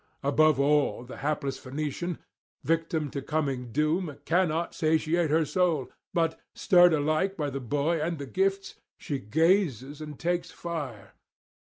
Above all the hapless Phoenician, victim to coming doom, cannot satiate her soul, but, stirred alike by the boy and the gifts, she gazes and takes fire.